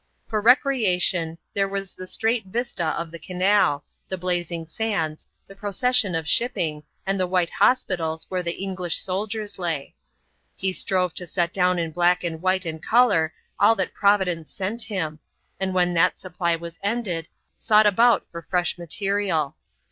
For recreation there was the straight vista of the Canal, the blazing sands, the procession of shipping, and the white hospitals where the English soldiers lay. He strove to set down in black and white and colour all that Providence sent him, and when that supply was ended sought about for fresh material.